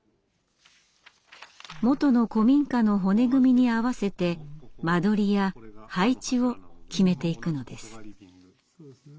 もとの古民家の骨組みに合わせて間取りや配置を決めていくのです。